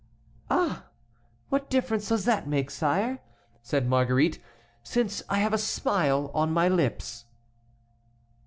"Ah! what difference does that make, sire," said Marguerite, "since I have a smile on my lips?"